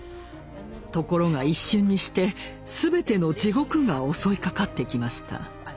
ところが一瞬にして全ての地獄が襲いかかってきました。